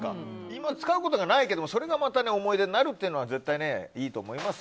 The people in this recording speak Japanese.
今使うことがないけどそれがまた思い出になるのはいいと思います。